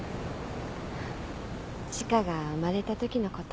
千賀が生まれたときのこと。